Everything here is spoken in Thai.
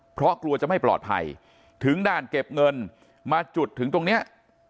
เพราะกลัวจะไม่ปลอดภัยถึงด่านเก็บเงินมาจุดถึงตรงเนี้ย